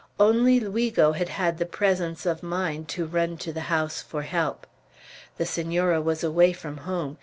Only Luigo had had the presence of mind to run to the house for help. The Senora was away from home.